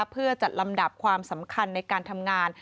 เพื่อจัดลำดับความสำคัญในการทำงาน